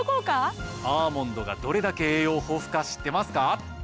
アーモンドがどれだけ栄養豊富か知ってますか？